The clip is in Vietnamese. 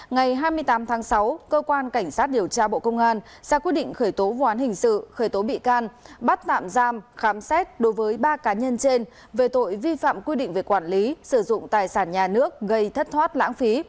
ngày hai mươi tám tháng sáu cơ quan cảnh sát điều tra bộ công an ra quyết định khởi tố vụ án hình sự khởi tố bị can bắt tạm giam khám xét đối với ba cá nhân trên về tội vi phạm quy định về quản lý sử dụng tài sản nhà nước gây thất thoát lãng phí